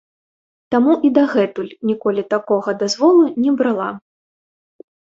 Таму і дагэтуль ніколі такога дазволу не брала.